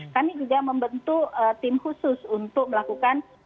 kami juga membentuk tim khusus untuk melakukan